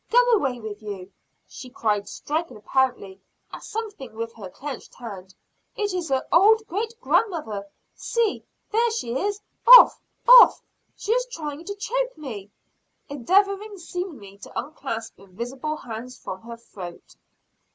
Go away with you!" she cried striking apparently at something with her clenched hand. "It is her old great grandmother! See, there she is! Off! Off! She is trying to choke me!" endeavoring seemingly to unclasp invisible hands from her throat.